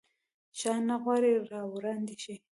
شاه نه غواړي راوړاندي شي.